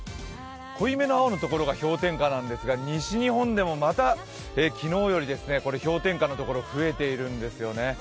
濃いめの青のところが氷点下なんですが西日本でもまた昨日より氷点下のところ増えているんですよね。